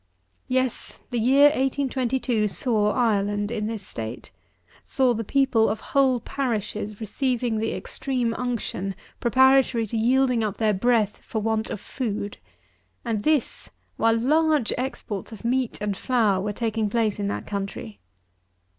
Yes, the year 1822 saw Ireland in this state; saw the people of whole parishes receiving the extreme unction preparatory to yielding up their breath for want of food; and this while large exports of meat and flour were taking place in that country!